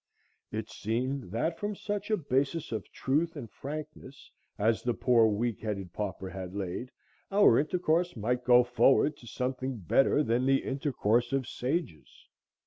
It seemed that from such a basis of truth and frankness as the poor weak headed pauper had laid, our intercourse might go forward to something better than the intercourse of sages.